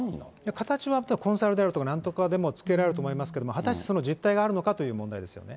形はコンサルであるとか、なんとかでもつけられると思いますけど、果たしてその実態があるのかという問題ですよね。